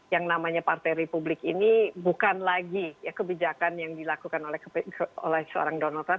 yang namanya partai republik ini bukan lagi kebijakan yang dilakukan oleh seorang donald trump